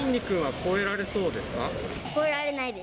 超えられないです。